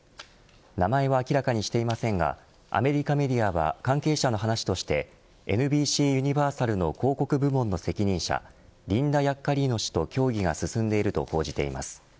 名前は明らかにしていませんがアメリカメディアは関係者の話としてＮＢＣユニバーサルの広告部門の責任者リンダ・ヤッカリーノ氏と協議が進んでいると報じています。